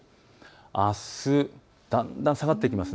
あすだんだん下がってきます。